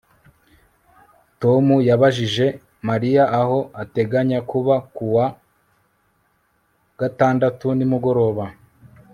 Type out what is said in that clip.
Tom yabajije Mariya aho ateganya kuba ku wa gatandatu nimugoroba